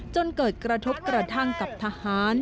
จนเกิดกระทบกระทั่งกับทหาร